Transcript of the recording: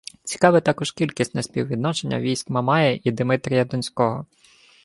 Цікаве також кількісне співвідношення військ Мамая і Димитрія Донського